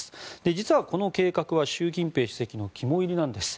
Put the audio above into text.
実は、この計画は習近平主席の肝煎りなんです。